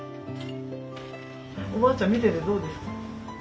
おばあちゃん見ててどうですか？